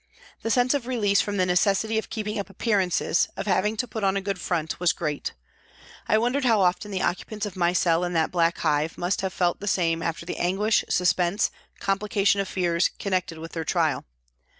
The sense of release from the necessity of keeping up appearances, of having to put on a good front, was great. I wondered how often the occupants of my cell in that black hive must have felt the same after the anguish, suspense, complication of fears, connected with their trial.